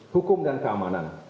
hukum dan keamanan